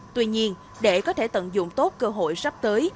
tuy nhiên để có thể tận dụng tốt cơ hội sắp tới